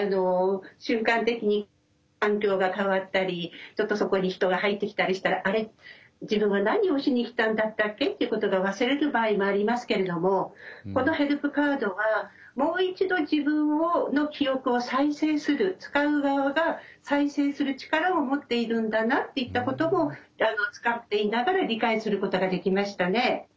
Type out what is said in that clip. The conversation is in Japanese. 瞬間的に環境が変わったりちょっとそこに人が入ってきたりしたら「あれ？自分は何をしに来たんだったっけ」っていうことが忘れる場合もありますけれどもこのヘルプカードはもう一度自分の記憶を再生する使う側が再生する力を持っているんだなっていったことも使っていながら理解することができましたね。